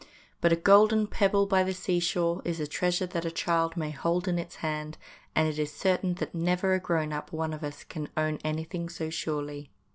But a golden pebble by the seashore is a treasure that a child may hold in its hand,, and it is certain that never a grown up one of us can own anything so surely.